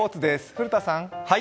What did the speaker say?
古田さん。